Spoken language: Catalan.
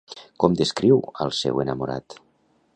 Com descriu al seu enamorat?